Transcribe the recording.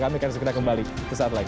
kami akan segera kembali ke saat lain